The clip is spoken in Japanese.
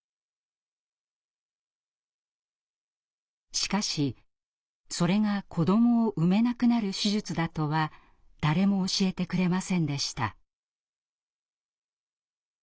しかしそれが子どもを産めなくなる手術だとは誰も教えてくれませんでした。